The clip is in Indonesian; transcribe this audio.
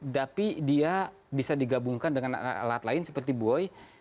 tapi dia bisa digabungkan dengan alat lain seperti buoy